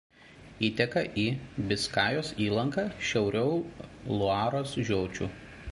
Įteka į Biskajos įlanką šiauriau Luaros žiočių.